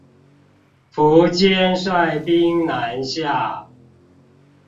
苻堅率兵南下